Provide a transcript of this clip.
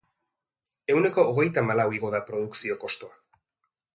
Ehuneko hogeita hamalau igo da produkzio kostoa.